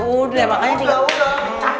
udah makanya tinggal